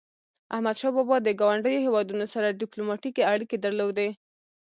احمدشاه بابا د ګاونډیو هیوادونو سره ډیپلوماټيکي اړيکي درلودی.